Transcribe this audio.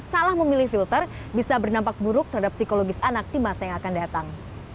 salah memilih filter bisa berdampak buruk terhadap psikologis anak di masa yang akan datang